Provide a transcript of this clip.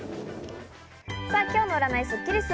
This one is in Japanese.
今日の占いスッキりす。